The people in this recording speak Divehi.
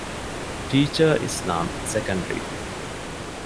ޓީޗަރ އިސްލާމް، ސެކަންޑްރީ